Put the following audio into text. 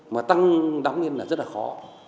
mà tăng đóng lên là rất là khó